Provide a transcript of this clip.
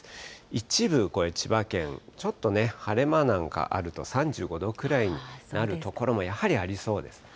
一部、これ千葉県、ちょっとね、晴れ間なんかあると、３５度くらいになる所もやはりありそうです。